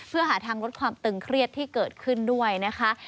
เพื่อหาทางลดความตึงเครียดที่เกิดขึ้นด้วยนะคะ